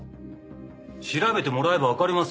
調べてもらえばわかりますよ。